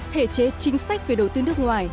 thể chế chính sách về đầu tư nước ngoài